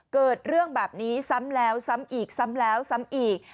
เกิดเรื่องแบบนี้ซ้ำแล้วซ้ำอีกซ้ำแล้วซ้ำอีก